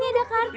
tuh ada kartu